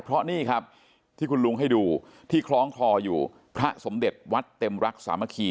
เพราะนี่ครับที่คุณลุงให้ดูที่คล้องคลออยู่พระสมเด็จวัดเต็มรักสามัคคี